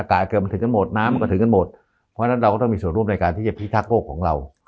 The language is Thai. เกือบมันถึงกันหมดน้ำมันก็ถึงกันหมดเพราะฉะนั้นเราก็ต้องมีส่วนร่วมในการที่จะพิทักษ์โลกของเรา